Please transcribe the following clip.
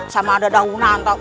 sama ada daunan atu